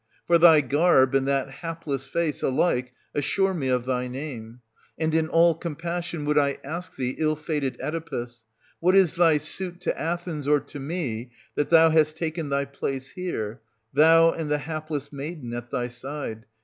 For thy garb, and that hapless face, alike assure me of thy name ; and in all compassion would I ask thee, ill fated Oedipus, what is thy suit to Athens or to me that thou hast taken thy place here, thou and the hapless maiden at thy side.